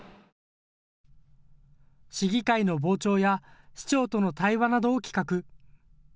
市議会の傍聴や市長との対話などを企画。